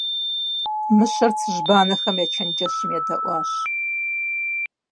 Мыщэр цыжьбанэхэм я чэнджэщым едэӀуащ.